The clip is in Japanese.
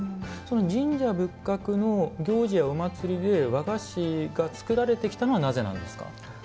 神社仏閣の行事やお祭りで和菓子が作られてきたのはなぜなんですか？